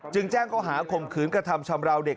แจ้งเขาหาข่มขืนกระทำชำราวเด็ก